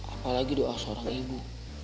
apalagi doa seorang ibu